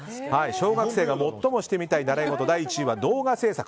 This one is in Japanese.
小学生が最もしてみたい習い事動画制作。